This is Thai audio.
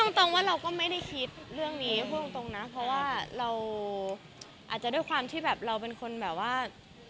ตรงว่าเราก็ไม่ได้คิดเรื่องนี้พูดตรงนะเพราะว่าเราอาจจะด้วยความที่แบบเราเป็นคนแบบว่า